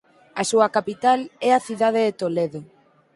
A súa capital é a cidade de Toledo.